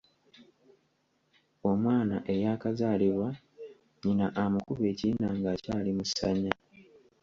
Omwana eyaakazaalibwa nnyina amukuba ekiyina nga akyali mu ssanya